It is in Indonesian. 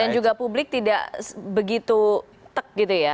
dan juga publik tidak begitu tek gitu ya